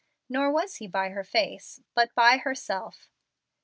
Nor was he by her face, but by herself.